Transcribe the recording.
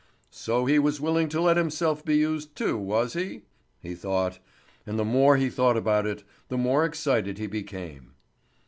"So he was willing to let himself be used too, was he?" he thought, and the more he thought about it, the more excited he became.